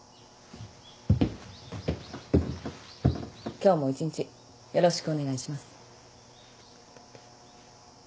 今日も１日よろしくお願いします。